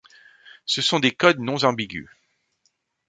Ce sont des codes non ambigus.